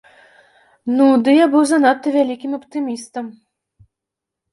Ну, ды я быў занадта вялікім аптымістам.